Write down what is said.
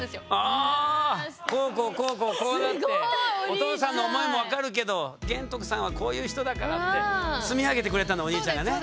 「こうこうこうこうこうなってお父さんの思いも分かるけど玄徳さんはこういう人だから」って積み上げてくれたのお兄ちゃんがね。